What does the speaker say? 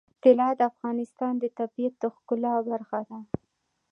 طلا د افغانستان د طبیعت د ښکلا برخه ده.